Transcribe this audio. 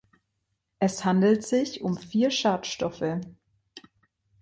Es handelt sich um vier Schadstoffe.